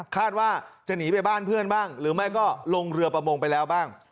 คาดว่าจะหนีไปบ้านเพื่อนบ้างหรือไม่ก็ลงเรือประมงไปแล้วบ้าง